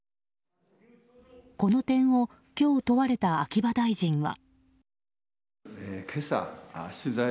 この点を今日問われた秋葉大臣は。